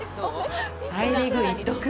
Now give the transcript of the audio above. ハイレグ、いっとく？